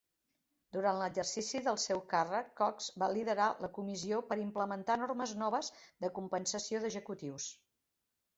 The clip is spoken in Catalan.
Durant l'exercici del seu càrrec, Cox va liderar la comissió per implementar normes noves de compensació d'executius.